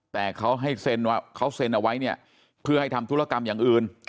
แต่เขาเซ็นเอาไว้เพื่อให้ทำธุรกรรมอย่างอื่น